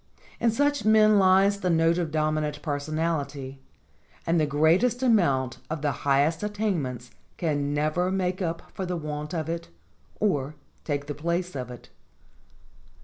In such men lies the note of dominant personality, and the greatest amount of the highest attainments can never make up for the want of it or take the place of it.